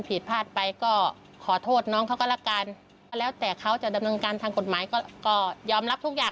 พี่ก็ไม่รู้ว่าจะมีการจุดพลุกัน